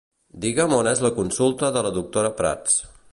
Digue'm on és la consulta de la doctora Prats.